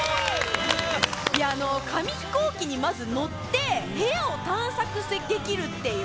いやあの紙飛行機にまず乗って部屋を探索できるっていう。